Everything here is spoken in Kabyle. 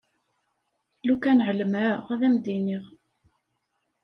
Lukan εelmeɣ ad m-d-iniɣ.